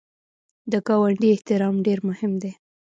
د ګاونډي احترام ډېر مهم دی